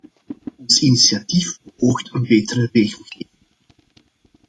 Ons initiatief beoogt een betere regelgeving.